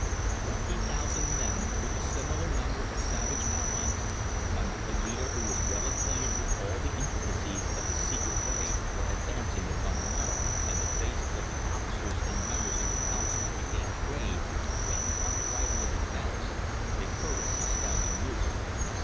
Twenty thousand men, with a similar number of savage allies, under a leader who was well acquainted with all the intricacies of the secret way were advancing upon Mo, and the faces of the officers and members of the council became grave when, on arrival at the palace, they heard the astounding news.